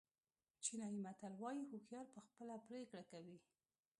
چینایي متل وایي هوښیار په خپله پرېکړه کوي.